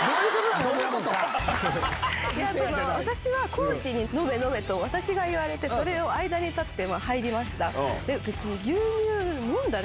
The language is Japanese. コーチに飲め飲め私が言われてそれを間に立って入りました。